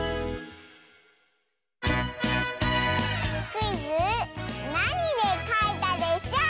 クイズ「なにでかいたでショー」！